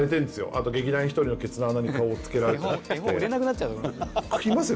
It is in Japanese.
あと劇団ひとりのケツの穴に顔をつけられたりって。